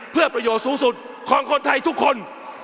เพื่อประโยชน์สูงสุดของคนไทยทุกคน